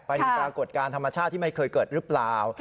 เป็นปรากฏการณ์ธรรมชาติที่ไม่เคยเกิดหรือเปล่า